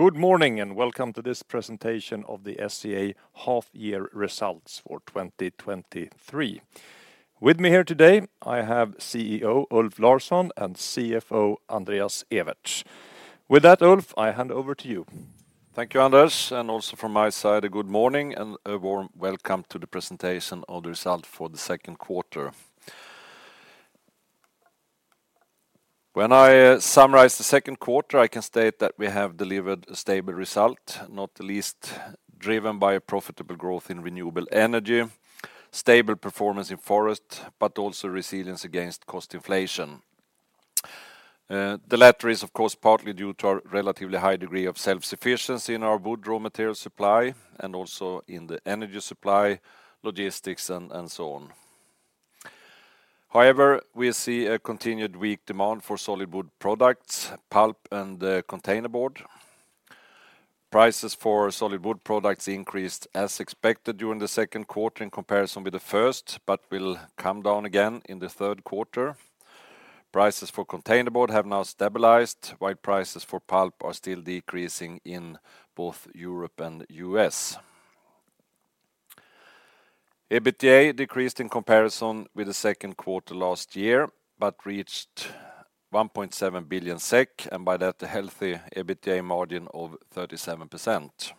Good morning. Welcome to this presentation of the SCA half-year results for 2023. With me here today, I have CEO Ulf Larsson and CFO Andreas Ewertz. With that, Ulf, I hand over to you. Thank you, Anders. Also from my side, a good morning and a warm welcome to the presentation of the result for the second quarter. When I summarize the second quarter, I can state that we have delivered a stable result, not the least driven by a profitable growth in renewable energy, stable performance in forest, also resilience against cost inflation. The latter is, of course, partly due to our relatively high degree of self-sufficiency in our wood raw material supply and also in the energy supply, logistics, and so on. However, we see a continued weak demand for solid-wood products, pulp, and container board. Prices for solid-wood products increased as expected during the second quarter in comparison with the first, will come down again in the third quarter. Prices for Containerboard have now stabilized, while prices for pulp are still decreasing in both Europe and U.S. EBITDA decreased in comparison with the second quarter last year, but reached 1.7 billion SEK, and by that, a healthy EBITDA margin of 37%.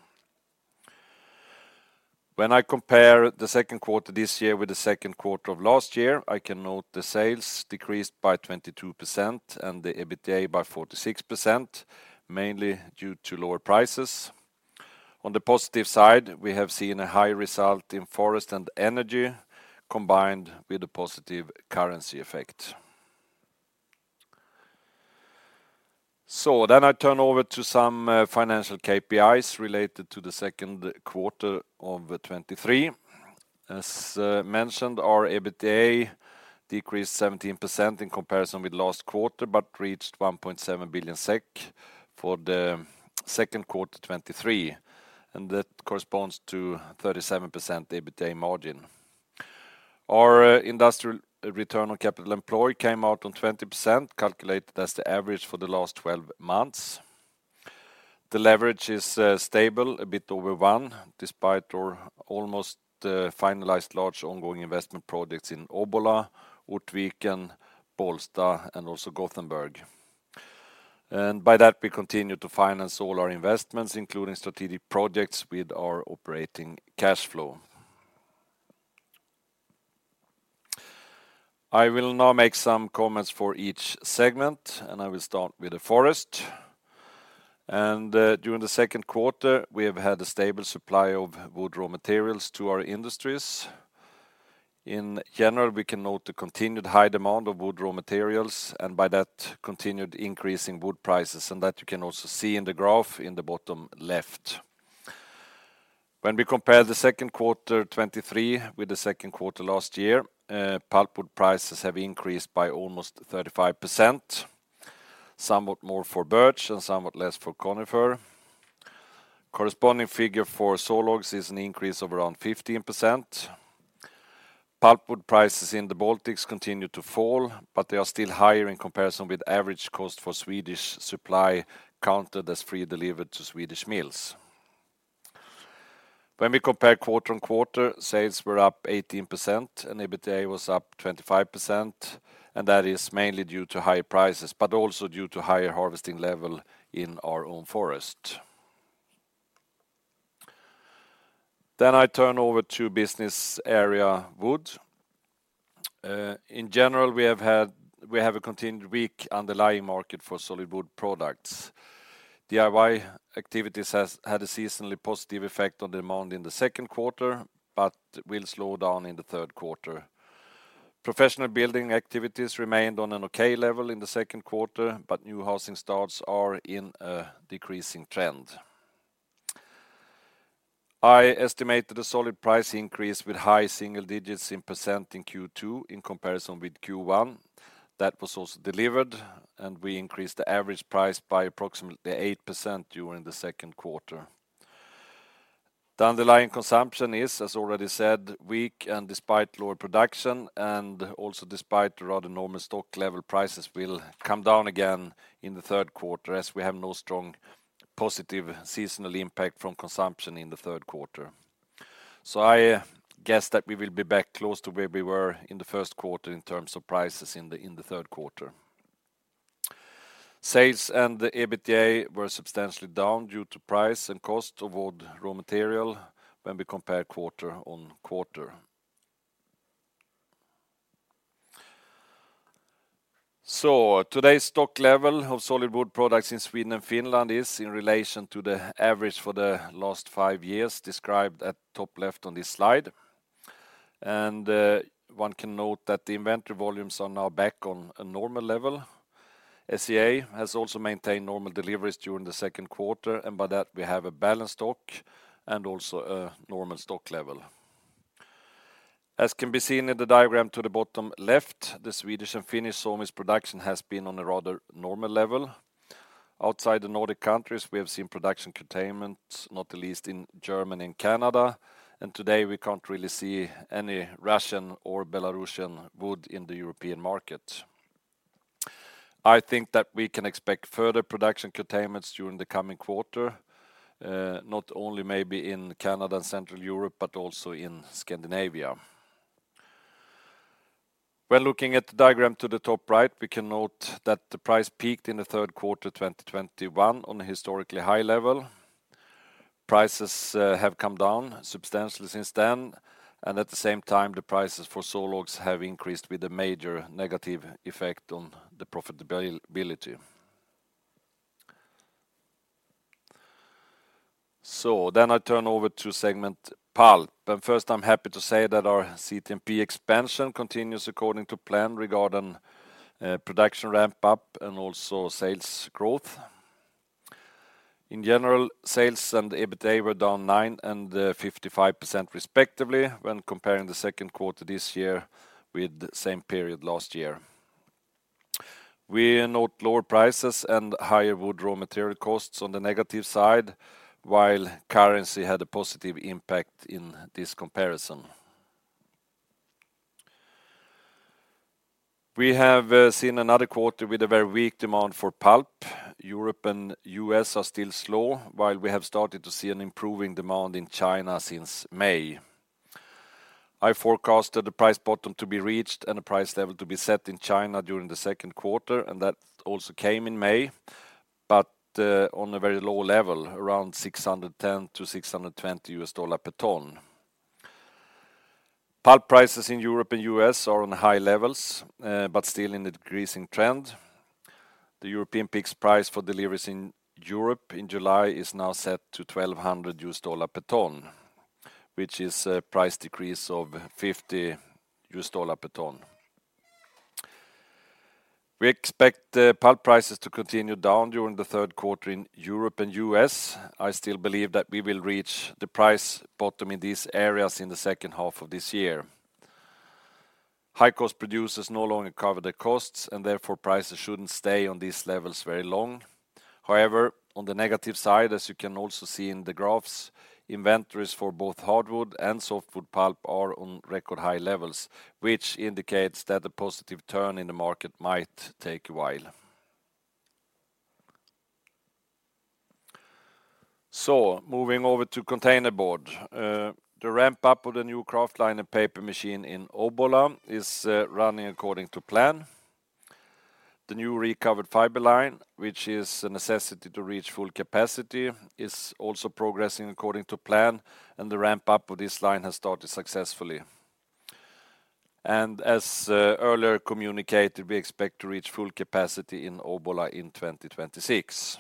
When I compare the second quarter this year with the second quarter of last year, I can note the sales decreased by 22% and the EBITDA by 46%, mainly due to lower prices. On the positive side, we have seen a high result in forest and energy, combined with a positive currency effect. I turn over to some financial KPIs related to the second quarter of 2023. As mentioned, our EBITDA decreased 17% in comparison with last quarter, but reached 1.7 billion SEK for the second quarter 2023, and that corresponds to 37% EBITDA margin. Our industrial return on capital employed came out on 20%, calculated as the average for the last 12 months. The leverage is stable, a bit over 1, despite our almost finalized large ongoing investment projects in Obbola, Ortviken, Bollsta, and also Gothenburg. By that, we continue to finance all our investments, including strategic projects, with our operating cash flow. I will now make some comments for each segment, and I will start with the forest. During the second quarter, we have had a stable supply of wood raw materials to our industries. In general, we can note the continued high demand of wood raw materials, by that, continued increase in wood prices, that you can also see in the graph in the bottom left. When we compare the second quarter 2023 with the second quarter last year, pulpwood prices have increased by almost 35%, somewhat more for birch and somewhat less for conifer. Corresponding figure for sawlogs is an increase of around 15%. Pulpwood prices in the Baltics continue to fall, they are still higher in comparison with average cost for Swedish supply, counted as free delivered to Swedish mills. When we compare quarter-on-quarter, sales were up 18%, EBITDA was up 25%, that is mainly due to high prices, but also due to higher harvesting level in our own forest. I turn over to business area wood. In general, we have a continued weak underlying market for solid-wood products. DIY activities has had a seasonally positive effect on demand in the second quarter, but will slow down in the third quarter. Professional building activities remained on an okay level in the second quarter, but new housing starts are in a decreasing trend. I estimated a solid price increase with high single digits in % in Q2 in comparison with Q1. That was also delivered. We increased the average price by approximately 8% during the second quarter. The underlying consumption is, as already said, weak, and despite lower production, and also despite the rather normal stock level, prices will come down again in the third quarter, as we have no strong positive seasonal impact from consumption in the third quarter. I guess that we will be back close to where we were in the first quarter in terms of prices in the third quarter. Sales and the EBITDA were substantially down due to price and cost of wood raw material when we compare quarter on quarter. Today's stock level of solid-wood products in Sweden and Finland is in relation to the average for the last five years, described at top left on this slide. One can note that the inventory volumes are now back on a normal level. SCA has also maintained normal deliveries during the second quarter, and by that, we have a balanced stock and also a normal stock level. As can be seen in the diagram to the bottom left, the Swedish and Finnish sawmills production has been on a rather normal level. Outside the Nordic countries, we have seen production containment, not the least in Germany and Canada, and today, we can't really see any Russian or Belarusian wood in the European market. I think that we can expect further production curtailments during the coming quarter, not only maybe in Canada and Central Europe, but also in Scandinavia. When looking at the diagram to the top right, we can note that the price peaked in the third quarter, 2021 on a historically high level. Prices have come down substantially since then, and at the same time, the prices for sawlogs have increased with a major negative effect on the profitability. I turn over to segment pulp. First, I'm happy to say that our CTMP expansion continues according to plan regarding production ramp-up and also sales growth. In general, sales and EBITDA were down 9 and 55% respectively when comparing the second quarter this year with the same period last year. We note lower prices and higher wood raw material costs on the negative side, while currency had a positive impact in this comparison. We have seen another quarter with a very weak demand for pulp. Europe and U.S. are still slow, while we have started to see an improving demand in China since May. I forecasted the price bottom to be reached and a price level to be set in China during the second quarter, and that also came in May, but on a very low level, around $610-$620 per ton. Pulp prices in Europe and U.S. are on high levels, but still in a decreasing trend. The European PIX price for deliveries in Europe in July is now set to $1,200 per ton, which is a price decrease of $50 per ton. We expect pulp prices to continue down during the third quarter in Europe and U.S. I still believe that we will reach the price bottom in these areas in the second half of this year. High-cost producers no longer cover their costs, and therefore, prices shouldn't stay on these levels very long. However, on the negative side, as you can also see in the graphs, inventories for both hardwood and softwood pulp are on record high levels, which indicates that a positive turn in the market might take a while. Moving over to containerboard. The ramp-up of the new kraftliner paper machine in Obbola is running according to plan. The new recovered fiber line, which is a necessity to reach full capacity, is also progressing according to plan, and the ramp-up of this line has started successfully. As earlier communicated, we expect to reach full capacity in Obbola in 2026.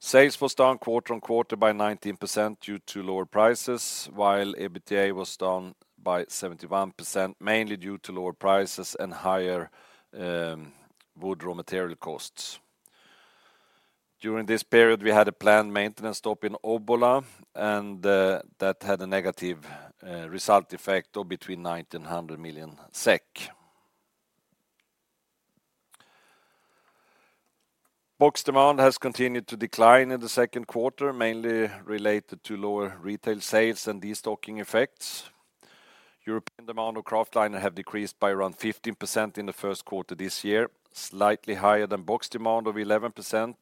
Sales were down quarter-on-quarter by 19% due to lower prices, while EBITDA was down by 71%, mainly due to lower prices and higher wood raw material costs. During this period, we had a planned maintenance stop in Obbola and that had a negative result effect of between 1,900,000,000. Box demand has continued to decline in the second quarter, mainly related to lower retail sales and destocking effects. European demand of kraftliner have decreased by around 15% in the first quarter this year, slightly higher than box demand of 11%,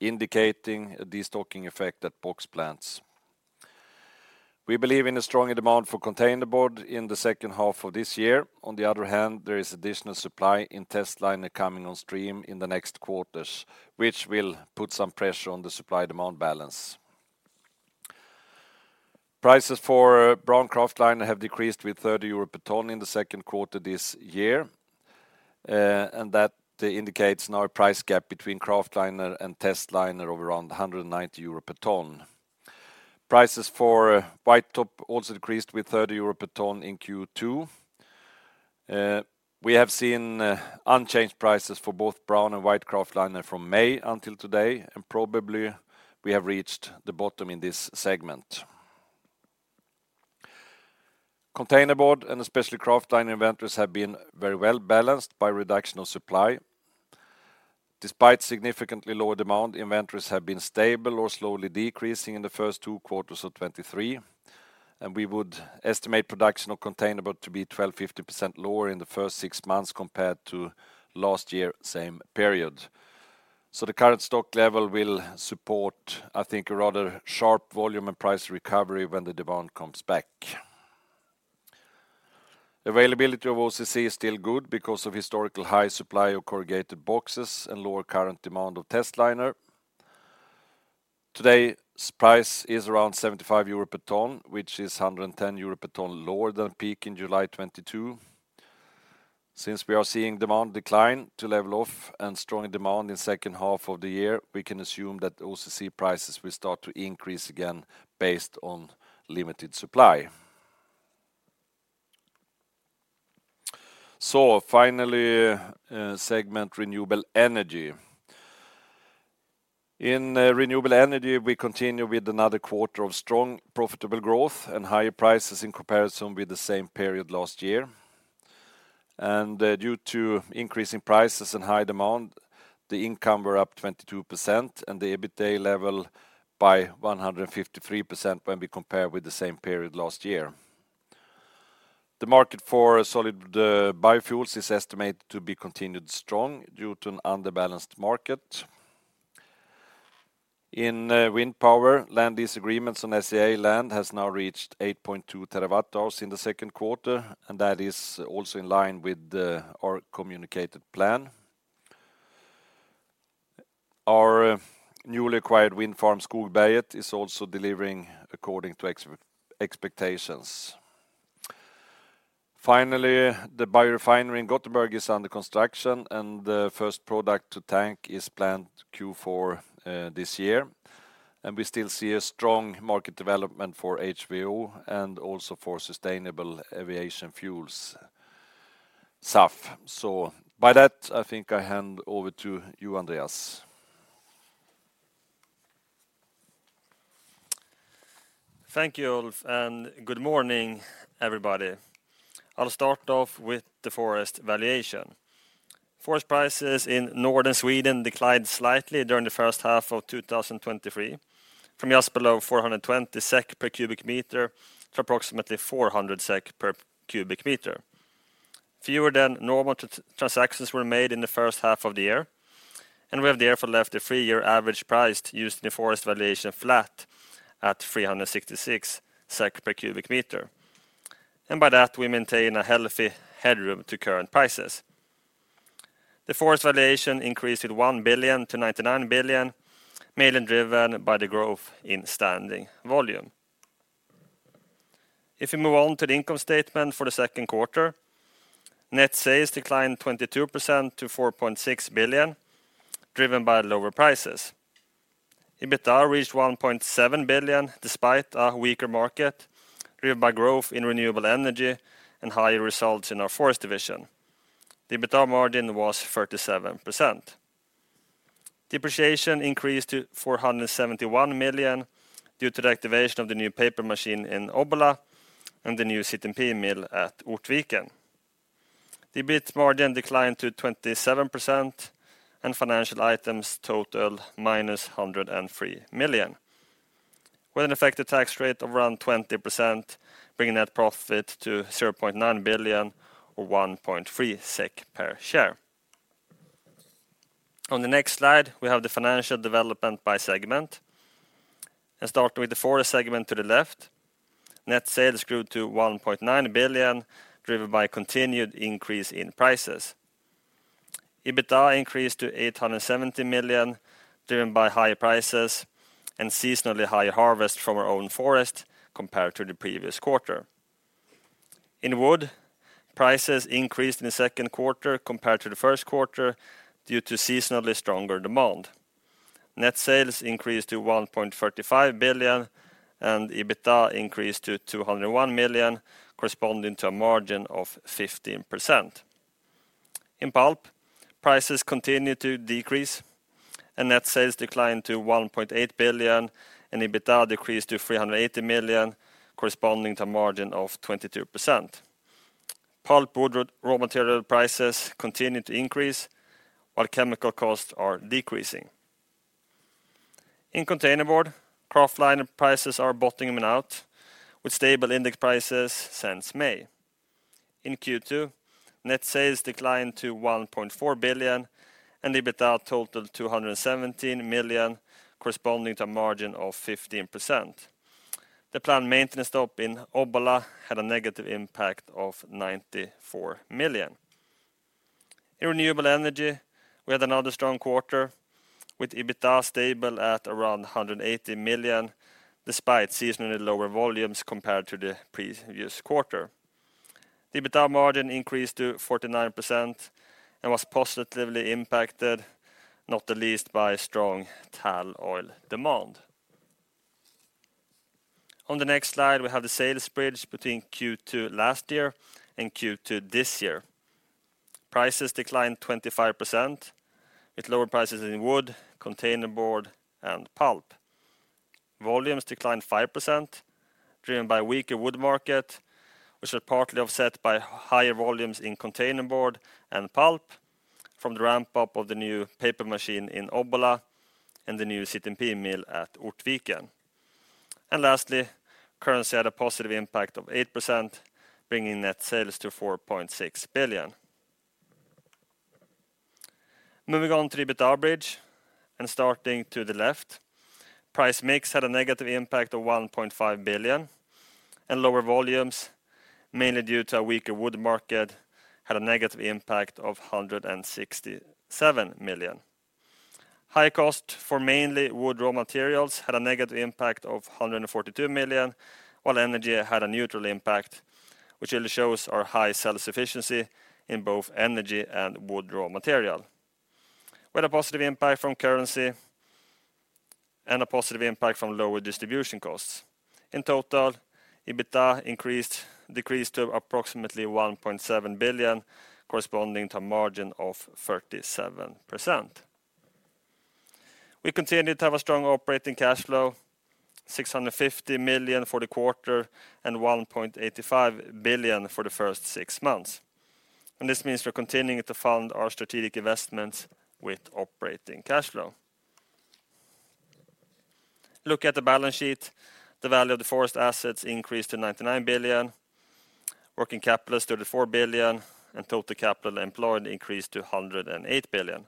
indicating a destocking effect at box plants. We believe in a stronger demand for containerboard in the second half of this year. There is additional supply in testliner coming on stream in the next quarters, which will put some pressure on the supply-demand balance. Prices for brown kraftliner have decreased with 30 euro per ton in the second quarter this year, that indicates now a price gap between kraftliner and testliner of around 190 euro per ton. Prices for white top also decreased with 30 euro per ton in Q2. We have seen unchanged prices for both brown and white kraftliner from May until today. Probably we have reached the bottom in this segment. containerboard, especially Kraftliner inventories, have been very well balanced by reduction of supply. Despite significantly lower demand, inventories have been stable or slowly decreasing in the first two quarters of 2023. We would estimate production of containerboard to be 12.5% lower in the first 6 months compared to last year, same period. The current stock level will support, I think, a rather sharp volume and price recovery when the demand comes back. Availability of OCC is still good because of historical high supply of corrugated boxes and lower current demand of testliner. Today's price is around 75 euro per ton, which is 110 euro per ton lower than peak in July 2022. Since we are seeing demand decline to level off and strong demand in second half of the year, we can assume that OCC prices will start to increase again based on limited supply. Finally, segment Renewable Energy. In Renewable Energy, we continue with another quarter of strong, profitable growth and higher prices in comparison with the same period last year. Due to increasing prices and high demand, the income were up 22% and the EBITDA level by 153% when we compare with the same period last year. The market for solid biofuels is estimated to be continued strong due to an underbalanced market. In wind power, land lease agreements on SCA land has now reached 8.2 terawatt hours in the second quarter, and that is also in line with our communicated plan. Our newly acquired wind farm Skogberget, is also delivering according to expectations. Finally, the biorefinery in Gothenburg is under construction, and the first product to tank is planned Q4 this year. We still see a strong market development for HVO and also for sustainable aviation fuels, SAF. By that, I think I hand over to you, Andreas. Thank you, Ulf, and good morning, everybody. I'll start off with the forest valuation. Forest prices in Northern Sweden declined slightly during the first half of 2023, from just below 420 SEK per cubic meter to approximately 400 SEK per cubic meter. Fewer than normal transactions were made in the first half of the year, and we have therefore left a three-year average price used in the forest valuation flat at 366 SEK per cubic meter. By that, we maintain a healthy headroom to current prices. The forest valuation increased to 1 billion to 99 billion, mainly driven by the growth in standing volume. If we move on to the income statement for the second quarter, net sales declined 22% to 4.6 billion, driven by lower prices. EBITDA reached 1.7 billion, despite a weaker market, driven by growth in renewable energy and higher results in our forest division. The EBITDA margin was 37%. Depreciation increased to 471 million due to the activation of the new paper machine in Obbola and the new CTMP mill at Ortviken. The EBIT margin declined to 27%. Financial items totaled minus 103 million, with an effective tax rate of around 20%, bringing net profit to 0.9 billion or 1.3 SEK per share. On the next slide, we have the financial development by segment. Let's start with the forest segment to the left. Net sales grew to 1.9 billion, driven by a continued increase in prices. EBITDA increased to 870 million, driven by higher prices and seasonally higher harvest from our own forest compared to the previous quarter. In wood, prices increased in the second quarter compared to the first quarter due to seasonally stronger demand. Net sales increased to 1.35 billion, and EBITDA increased to 201 million, corresponding to a margin of 15%. In pulp, prices continued to decrease, and net sales declined to 1.8 billion, and EBITDA decreased to 380 million, corresponding to a margin of 22%. Pulpwood raw material prices continue to increase, while chemical costs are decreasing. In containerboard, kraftliner prices are bottoming them out, with stable index prices since May. In Q2, net sales declined to 1.4 billion, and EBITDA totaled 217 million, corresponding to a margin of 15%. The planned maintenance stop in Obbola had a negative impact of 94 million. In renewable energy, we had another strong quarter, with EBITDA stable at around 180 million, despite seasonally lower volumes compared to the previous quarter. The EBITDA margin increased to 49% and was positively impacted, not the least, by strong tall oil demand. On the next slide, we have the sales bridge between Q2 last year and Q2 this year. Prices declined 25%, with lower prices in wood, containerboard, and pulp. Volumes declined 5%, driven by weaker wood market, which was partly offset by higher volumes in containerboard and pulp from the ramp-up of the new paper machine in Obbola and the new CTMP mill at Ortviken. Lastly, currency had a positive impact of 8%, bringing net sales to 4.6 billion. Moving on to the EBITDA bridge, starting to the left, price mix had a negative impact of 1.5 billion, lower volumes, mainly due to a weaker wood market, had a negative impact of 167 million. High cost for mainly wood raw materials had a negative impact of 142 million, while energy had a neutral impact, which really shows our high sales efficiency in both energy and wood raw material. We had a positive impact from currency and a positive impact from lower distribution costs. In total, EBITDA decreased to approximately 1.7 billion, corresponding to a margin of 37%. We continued to have a strong operating cash flow, 650 million for the quarter and 1.85 billion for the first six months. This means we're continuing to fund our strategic investments with operating cash flow. Look at the balance sheet. The value of the forest assets increased to 99 billion. working capital is 34 billion, and total capital employed increased to 108 billion.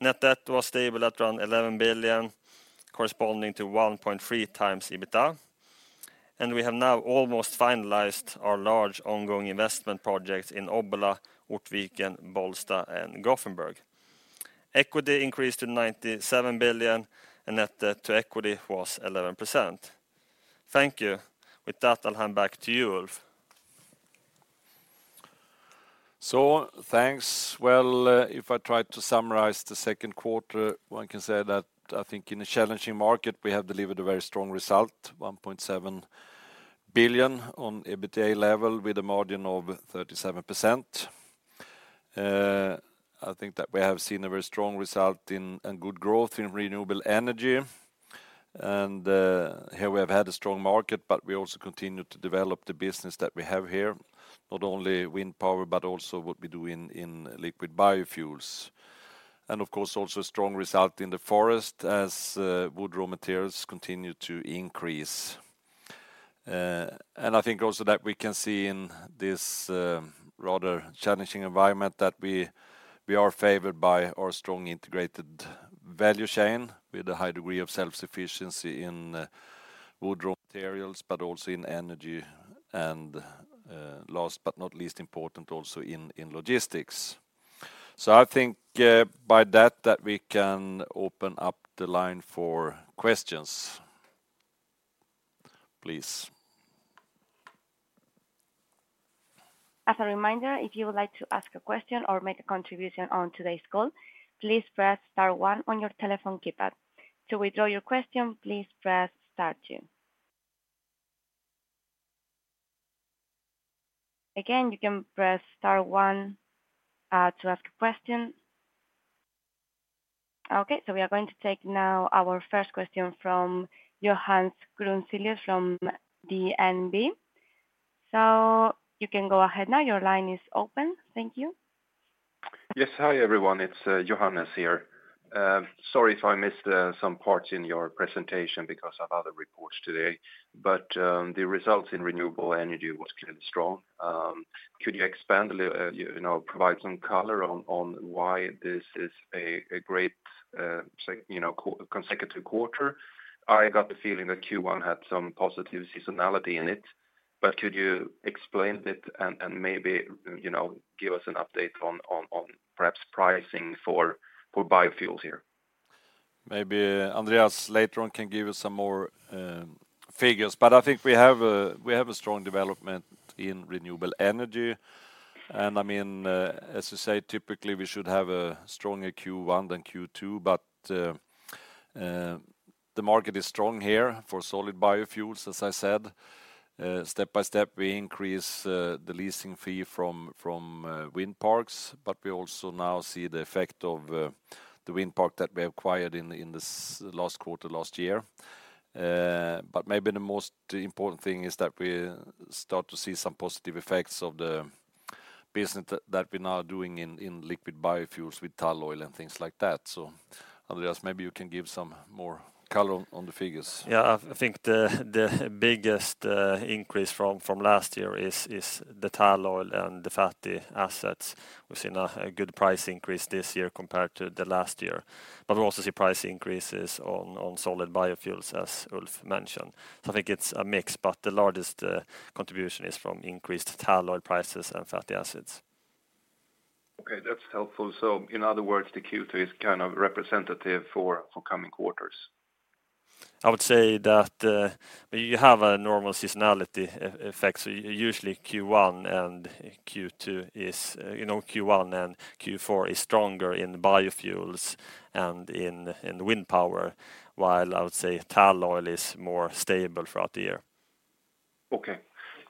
Net debt was stable at around 11 billion, corresponding to 1.3 times EBITDA. We have now almost finalized our large ongoing investment projects in Obbola, Ortviken, Bollsta, and Gothenburg. Equity increased to 97 billion, and net debt to equity was 11%. Thank you. With that, I'll hand back to you, Ulf. Thanks. Well, if I try to summarize the second quarter, one can say that I think in a challenging market, we have delivered a very strong result, 1.7 billion on EBITDA level with a margin of 37%. I think that we have seen a very strong result in and good growth in Renewable Energy, here we have had a strong market, but we also continued to develop the business that we have here, not only wind power, but also what we do in liquid biofuels. Of course, also a strong result in the forest as wood raw materials continue to increase. I think also that we can see in this rather challenging environment that we are favored by our strong integrated value chain with a high degree of self-sufficiency in wood raw materials, but also in energy, last but not least important, also in logistics. I think by that, we can open up the line for questions. Please. As a reminder, if you would like to ask a question or make a contribution on today's call, please press star one on your telephone keypad. To withdraw your question, please press star two. Again, you can press star one to ask a question. We are going to take now our first question from Johannes Grunselius from DNB. You can go ahead now. Your line is open. Thank you. Yes. Hi, everyone. It's Johannes here. Sorry if I missed some parts in your presentation because of other reports today, but the results in renewable energy was kind of strong. Could you expand a little, you know, provide some color on why this is a great, you know, consecutive quarter? I got the feeling that Q1 had some positive seasonality in it, but could you explain it and maybe, you know, give us an update on perhaps pricing for biofuels here? Maybe Andreas, later on, can give you some more figures, but I think we have a strong development in renewable energy. I mean, as you say, typically, we should have a stronger Q1 than Q2, but the market is strong here for solid biofuels, as I said. Step by step, we increase the leasing fee from wind parks, but we also now see the effect of the wind park that we acquired in this last quarter, last year. But maybe the most important thing is that we start to see some positive effects of the business that we're now doing in liquid biofuels with tall oil and things like that. Andreas, maybe you can give some more color on the figures. Yeah, I think the biggest increase from last year is the tall oil and the fatty acids. We've seen a good price increase this year compared to the last year, but we also see price increases on solid biofuels, as Ulf mentioned. I think it's a mix, but the largest contribution is from increased tall oil prices and fatty acids. Okay, that's helpful. In other words, the Q2 is kind of representative for upcoming quarters? I would say that, you have a normal seasonality effect. Usually, Q1 and Q2 is, you know, Q1 and Q4 is stronger in biofuels and in wind power, while I would say tall oil is more stable throughout the year. Okay.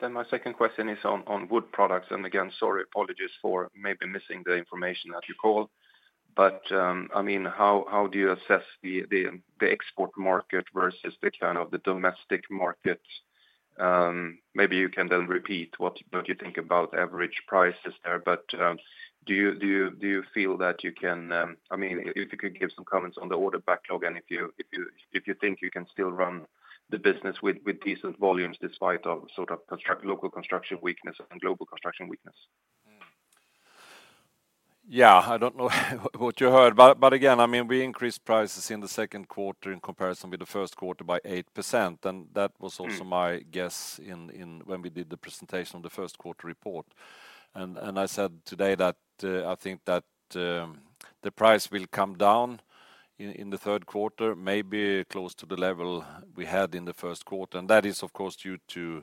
My second question is on wood products, and again, sorry, apologies for maybe missing the information at your call. I mean, how do you assess the export market versus the kind of the domestic market? Maybe you can then repeat what you think about average prices there. Do you feel that you can, I mean, if you could give some comments on the order backlog and if you think you can still run the business with decent volumes despite of sort of local construction weakness and global construction weakness? Yeah, I don't know what you heard, but again, I mean, we increased prices in the second quarter in comparison with the first quarter by 8%, and that was also my guess when we did the presentation on the 1st quarter report. I said today that I think that the price will come down in the 3rd quarter, maybe close to the level we had in the 1st quarter, and that is, of course, due to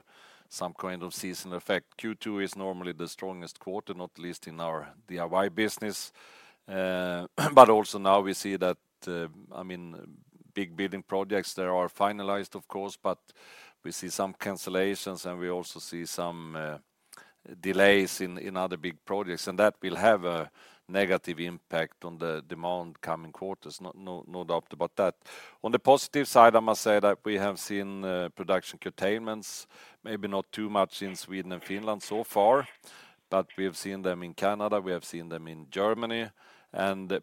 some kind of seasonal effect. Q2 is normally the strongest quarter, not least in our DIY business, but also now we see that, I mean, big building projects, they are finalized, of course, but we see some cancellations, and we also see some delays in other big projects, and that will have a negative impact on the demand coming quarters. No doubt about that. On the positive side, I must say that we have seen production curtailments, maybe not too much in Sweden and Finland so far. We have seen them in Canada, we have seen them in Germany.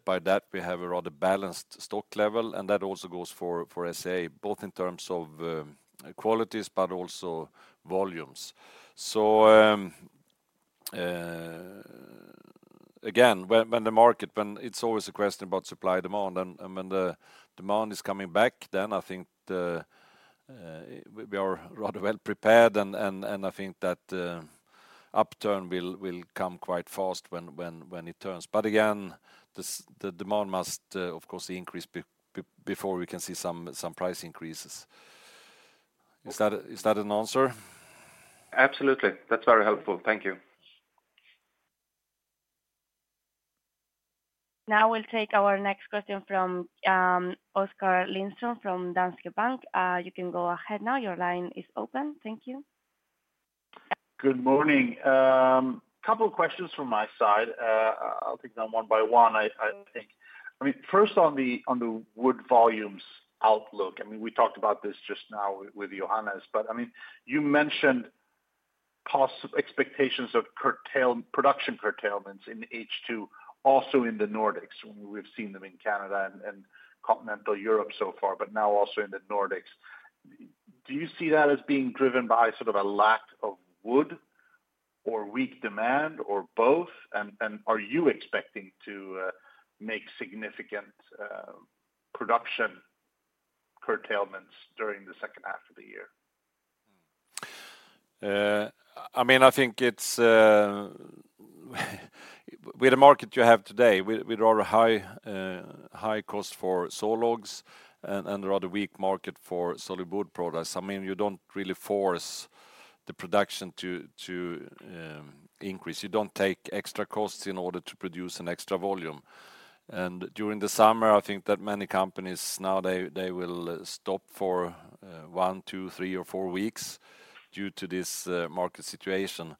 By that, we have a rather balanced stock level, and that also goes for SCA, both in terms of qualities, but also volumes. Again, when the market, it's always a question about supply, demand, and, I mean, the demand is coming back, then I think we are rather well prepared, and I think that the upturn will come quite fast when it turns. Again, the demand must, of course, increase before we can see some price increases. Is that an answer? Absolutely. That's very helpful. Thank you. Now, we'll take our next question from Oskar Lindström, from Danske Bank. You can go ahead now. Your line is open. Thank you. Good morning. couple of questions from my side. I'll take them one by one, I think. I mean, first on the, on the wood volumes outlook, I mean, we talked about this just now with Johannes, but I mean, you mentioned expectations of production curtailments in H2, also in the Nordics. We've seen them in Canada and continental Europe so far, but now also in the Nordics. Do you see that as being driven by sort of a lack of wood, or weak demand, or both? Are you expecting to make significant production curtailments during the second half of the year? I mean, I think it's with the market you have today, with rather high cost for sawlogs and rather weak market for solid-wood products, I mean, you don't really force the production to increase. You don't take extra costs in order to produce an extra volume. During the summer, I think that many companies now, they will stop for one, two, three, four weeks due to this market situation.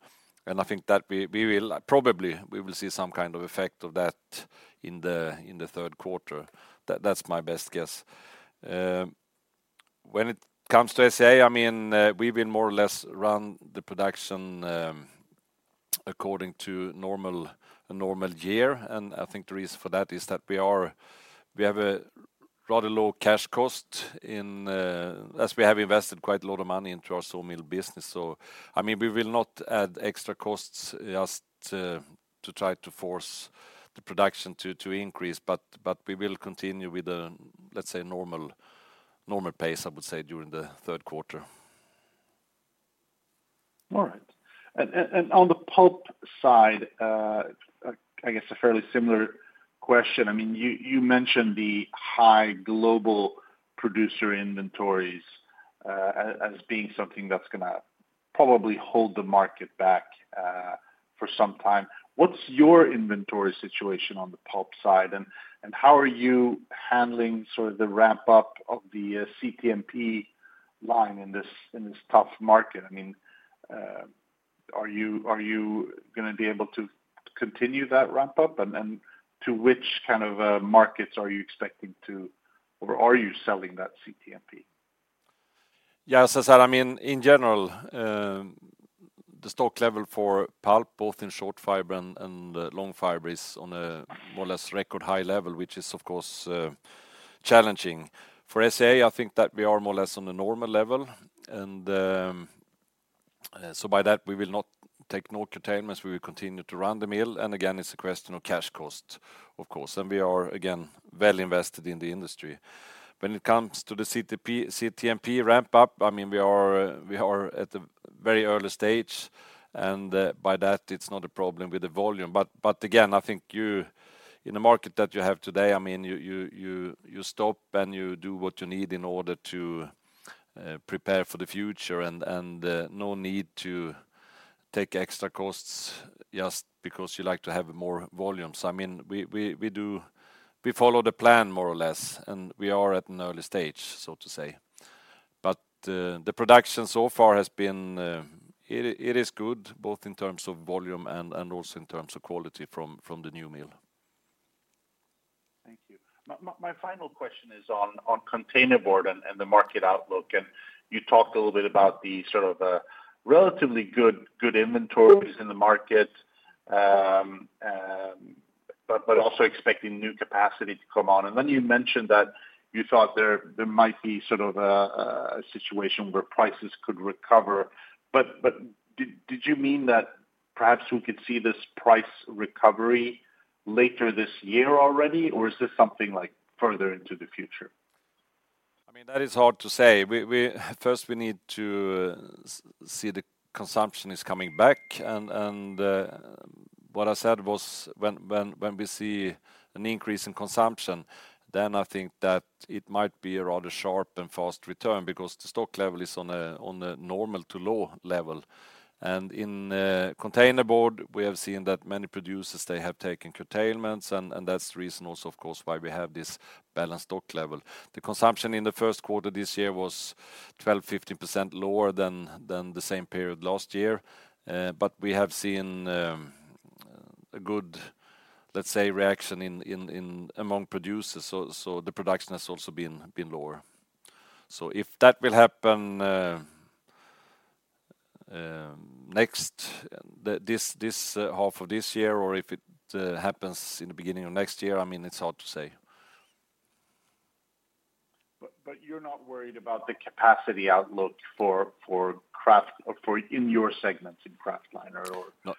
I think that we will, probably, we will see some kind of effect of that in the third quarter. That's my best guess. When it comes to SCA, I mean, we will more or less run the production according to normal, a normal year. I think the reason for that is that we have a rather low cash cost in as we have invested quite a lot of money into our sawmill business. I mean we will not add extra costs just to try to force the production to increase, but we will continue with a, let's say normal pace I would say, during the third quarter. All right. On the pulp side, I guess a fairly similar question. I mean you mentioned the high global producer inventories as being something that's gonna probably hold the market back for some time. What's your inventory situation on the pulp side? How are you handling sort of the ramp-up of the CTMP line in this tough market? I mean are you gonna be able to continue that ramp-up? To which kind of markets are you expecting to, or are you selling that CTMP? As I said, I mean in general, the stock level for pulp, both in short fiber and long fiber, is on a more or less record high level, which is of course, challenging. For SCA, I think that we are more or less on a normal level. By that, we will not take no curtailments, we will continue to run the mill, and again, it's a question of cash cost, of course, and we are, again, well invested in the industry. When it comes to the CTMP ramp-up, I mean we are at the very early stage, by that it's not a problem with the volume. Again, I think you, in a market that you have today, I mean, you stop and you do what you need in order to prepare for the future, and no need to take extra costs just because you like to have more volumes. I mean, we follow the plan, more or less, and we are at an early stage, so to say. The production so far has been, it is good, both in terms of volume and also in terms of quality from the new mill. Thank you. My final question is on containerboard and the market outlook. You talked a little bit about the sort of relatively good inventories in the market, but also expecting new capacity to come on. Then you mentioned that you thought there might be sort of a situation where prices could recover, but did you mean that perhaps we could see this price recovery later this year already, or is this something, like, further into the future? I mean, that is hard to say. We first, we need to see the consumption is coming back, and what I said was when we see an increase in consumption, then I think that it might be a rather sharp and fast return because the stock level is on a normal to low level. In containerboard, we have seen that many producers, they have taken curtailments, and that's the reason also, of course, why we have this balanced stock level. The consumption in the first quarter this year was 12%-15% lower than the same period last year, but we have seen a good, let's say, reaction among producers, so the production has also been lower. If that will happen, half of this year, or if it happens in the beginning of next year, I mean, it's hard to say. You're not worried about the capacity outlook for kraft or for in your segments in kraftliner or? No.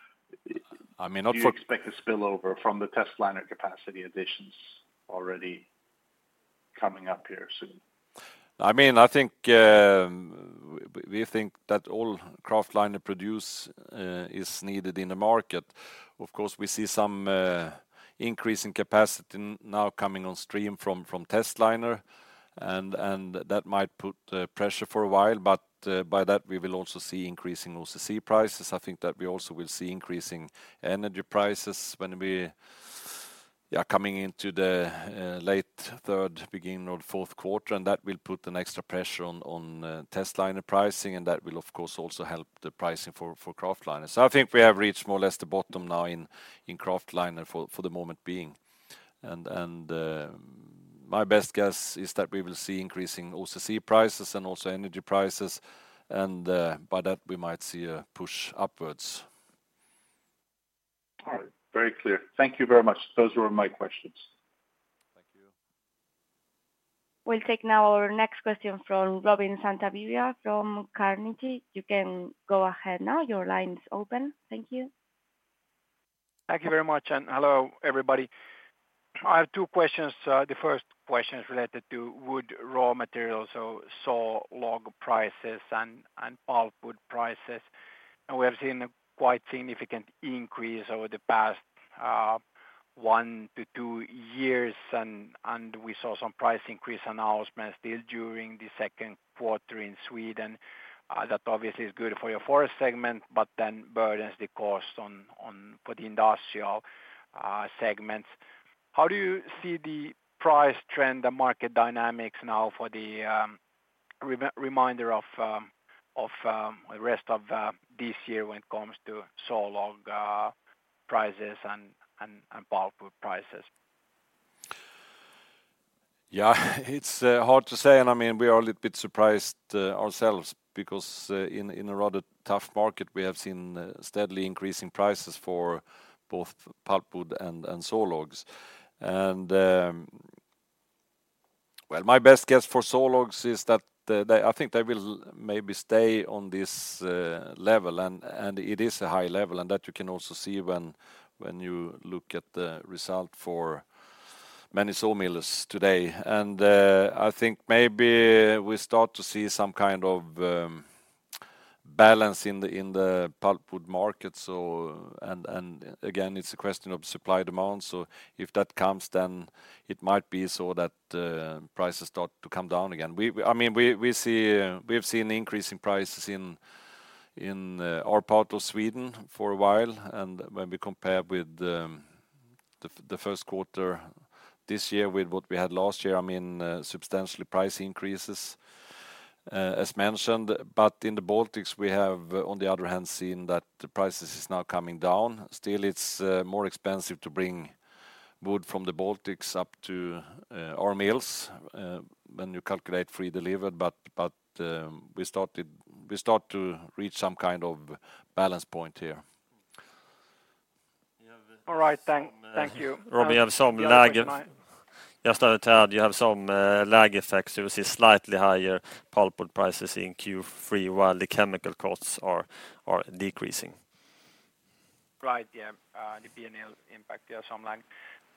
I mean, not. Do you expect a spillover from the testliner capacity additions already coming up here soon? I mean I think, we think that all kraftliner produce is needed in the market. Of course, we see some increase in capacity now coming on stream from testliner, and that might put pressure for a while, but by that, we will also see increasing OCC prices. I think that we also will see increasing energy prices when we, yeah, coming into the late third, beginning of fourth quarter, and that will put an extra pressure on testliner pricing, and that will, of course, also help the pricing for kraftliner. I think we have reached more or less the bottom now in kraftliner for the moment being. My best guess is that we will see increasing OCC prices and also energy prices, and, by that, we might see a push upwards. All right. Very clear. Thank you very much. Those were all my questions. Thank you. We'll take now our next question from Robin Santavirta from Carnegie. You can go ahead now. Your line is open. Thank you. Thank you very much, and hello, everybody. I have two questions. The first question is related to wood raw materials, so sawlog prices and pulpwood prices. We have seen a quite significant increase over the past one to two years, and we saw some price increase announcement still during the second quarter in Sweden. That obviously is good for your forest segment but then burdens the cost on for the industrial segments. How do you see the price trend, the market dynamics now for the reminder of the rest of this year when it comes to sawlog prices and pulpwood prices? Yeah, it's hard to say and I mean, we are a little bit surprised ourselves, because in a rather tough market, we have seen steadily increasing prices for both pulpwood and sawlogs. Well, my best guess for sawlogs is that I think they will maybe stay on this level, and it is a high level, and that you can also see when you look at the result for many sawmills today. I think maybe we start to see some kind of balance in the pulpwood market. Again, it's a question of supply, demand. If that comes, then it might be so that prices start to come down again. I mean, we see, we've seen increasing prices in our part of Sweden for a while, and when we compare with the first quarter this year with what we had last year, I mean substantially price increases as mentioned. In the Baltics, we have, on the other hand, seen that the prices is now coming down. Still, it's more expensive to bring wood from the Baltics up to our mills when you calculate free delivered, but we start to reach some kind of balance point here. All right. Thank you. Robin, we have some lag. Yes, thank you tonight. I would add, you have some lag effects. You will see slightly higher pulpwood prices in Q3 while the chemical costs are decreasing. Right. Yeah. The P&L impact, yeah some lag.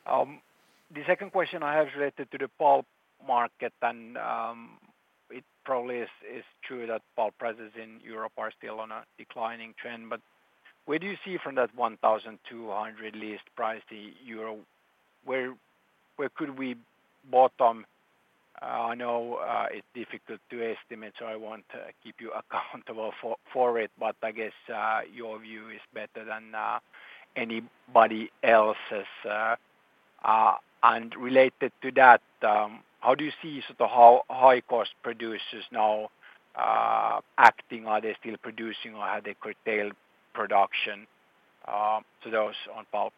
The second question I have related to the pulp market, it probably is true that pulp prices in Europe are still on a declining trend, where do you see from that 1,200 least price, the euro, where could we bottom? I know it's difficult to estimate, I want to keep you accountable for it, I guess your view is better than anybody else's. Related to that, how do you see sort of how high-cost producers now acting? Are they still producing or have they curtailed production, to those on pulp?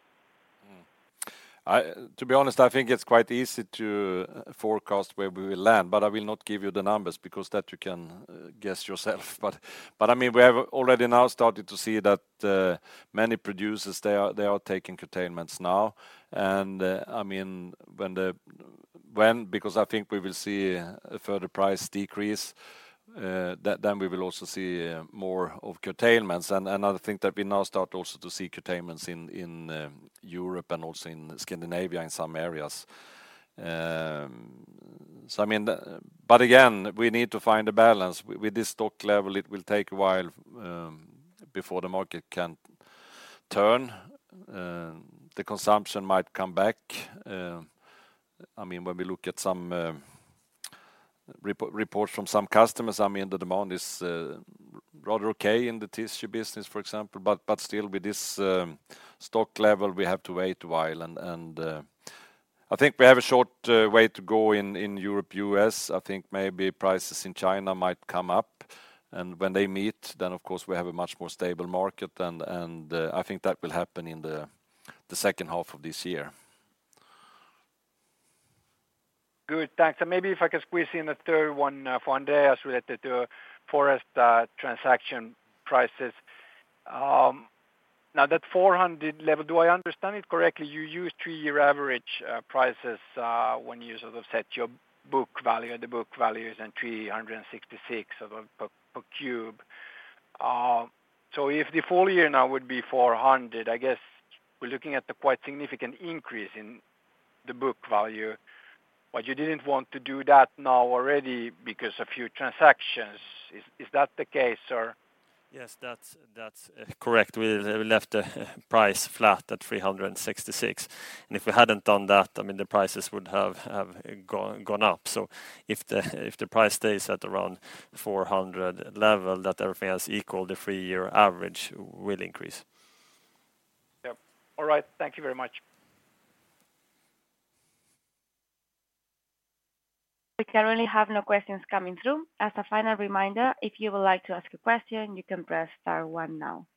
To be honest, I think it's quite easy to forecast where we will land, but I will not give you the numbers because that you can guess yourself. I mean, we have already now started to see that many producers, they are taking curtailments now. I mean, because I think we will see a further price decrease, that then we will also see more of curtailments. I think that we now start also to see curtailments in Europe and also in Scandinavia, in some areas. I mean, again, we need to find a balance. With this stock level, it will take a while before the market can turn. The consumption might come back. I mean when we look at some reports from some customers, I mean the demand is rather okay in the tissue business, for example, but still with this stock level, we have to wait a while. I think we have a short way to go in Europe, U.S. I think maybe prices in China might come up and when they meet, then of course we have a much more stable market, I think that will happen in the second half of this year. Good, thanks. Maybe if I could squeeze in a third one, for Andreas, related to forest, transaction prices. That 400 level, do I understand it correctly? You used a three-year average prices, when you sort of set your book value, and the book value is at 366 per cube. If the full year now would be 400, I guess we're looking at a quite significant increase in the book value. You didn't want to do that now already because a few transactions. Is that the case or? Yes, that's correct. We left the price flat at 366. If we hadn't done that, I mean, the prices would have gone up. If the price stays at around 400 level, that everything else equal, the 3-year average will increase. Yep. All right. Thank you very much. We currently have no questions coming through. As a final reminder, if you would like to ask a question, you can press star one now.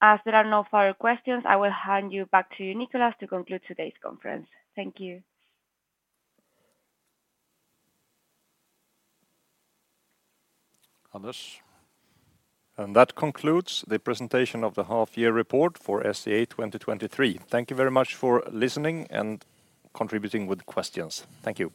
As there are no further questions, I will hand you back to Nicholas to conclude today's conference. Thank you. Anders? That concludes the presentation of the half year report for SCA 2023. Thank you very much for listening and contributing with questions. Thank you.